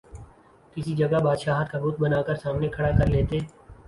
کسی جگہ بادشاہ کا بت بنا کر سامنے کھڑا کرلیتے